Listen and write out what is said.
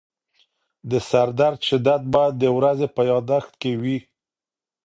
د سردرد شدت باید د ورځې په یادښت کې وي.